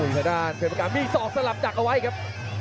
ทะดานเป็นประการมี๒สลับจักรไว้ครับ